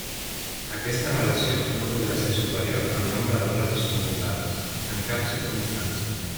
Aquesta relació no podrà ser superior al nombre de places convocades, en cap circumstància.